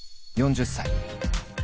４０歳。